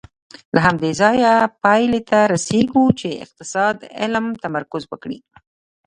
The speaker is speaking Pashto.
له همدې ځایه پایلې ته رسېږو چې اقتصاد علم تمرکز وکړي.